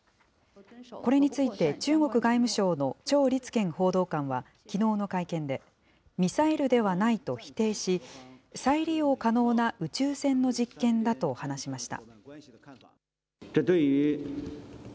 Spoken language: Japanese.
これについて中国外務省の趙立堅報道官はきのうの会見で、ミサイルではないと否定し、再利用可能な宇宙船の実験だと話しました。